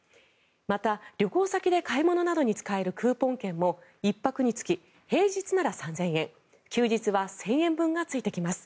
また、旅行先で買い物などに使えるクーポン券も１泊につき平日なら３０００円休日は１０００円分がついてきます。